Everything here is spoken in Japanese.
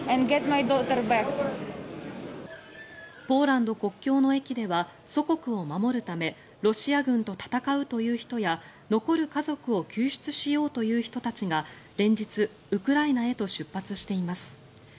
ポーランド国境の駅では祖国を守るためロシア軍と戦うという人や残る家族を救出しようという人たちが連日、ウクライナへと出発しています。